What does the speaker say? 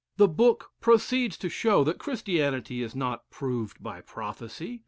The book proceeds to show that Christianity is not proved by prophecy.